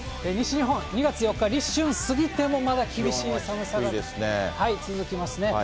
西日本、２月４日立春過ぎてもまだ厳しい寒さが続きますね。